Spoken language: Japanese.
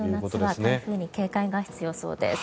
今年の夏は台風に警戒が必要そうです。